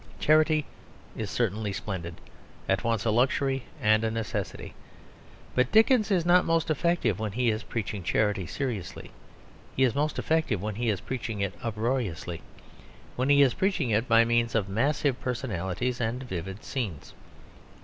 Charity is certainly splendid, at once a luxury and a necessity; but Dickens is not most effective when he is preaching charity seriously; he is most effective when he is preaching it uproariously; when he is preaching it by means of massive personalities and vivid scenes.